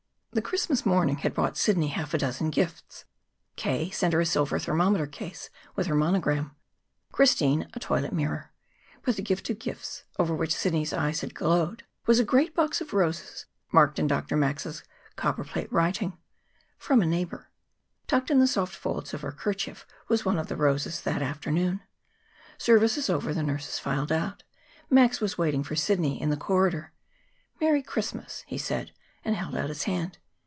The Christmas morning had brought Sidney half a dozen gifts. K. sent her a silver thermometer case with her monogram, Christine a toilet mirror. But the gift of gifts, over which Sidney's eyes had glowed, was a great box of roses marked in Dr. Max's copper plate writing, "From a neighbor." Tucked in the soft folds of her kerchief was one of the roses that afternoon. Services over, the nurses filed out. Max was waiting for Sidney in the corridor. "Merry Christmas!" he said, and held out his hand.